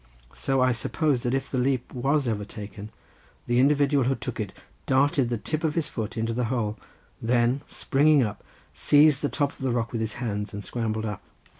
So I supposed that if the leap was ever taken, the individual who took it darted the tip of his foot into the hole, then springing up seized the top of the rock with his hands, and scrambled up.